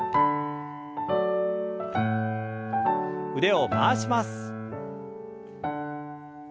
腕を回します。